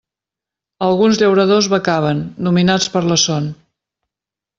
Alguns llauradors becaven, dominats per la son.